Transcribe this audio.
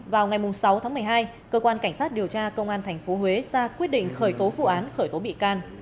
vào ngày sáu tháng một mươi hai cơ quan cảnh sát điều tra công an tp huế ra quyết định khởi tố vụ án khởi tố bị can